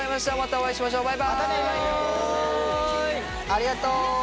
ありがとう！